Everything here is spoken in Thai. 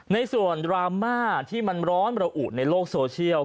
ในส่วนดราม่าที่มันร้อนระอุในโลกโซเชียล